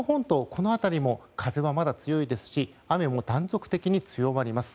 この辺りも風はまだ強いですし雨も断続的に強まります。